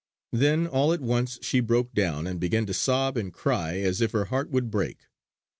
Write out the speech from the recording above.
Then all at once she broke down, and began to sob and cry as if her heart would break.